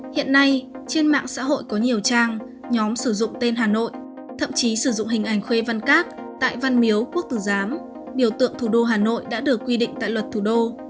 hiện nay trên mạng xã hội có nhiều trang nhóm sử dụng tên hà nội thậm chí sử dụng hình ảnh khuê văn các tại văn miếu quốc tử giám biểu tượng thủ đô hà nội đã được quy định tại luật thủ đô